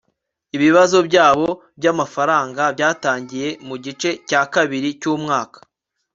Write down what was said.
ibibazo byabo byamafaranga byatangiye mugice cya kabiri cyumwaka